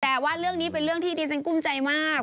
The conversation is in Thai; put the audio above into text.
แต่ว่าเรื่องนี้เป็นเรื่องที่ดิฉันกุ้มใจมาก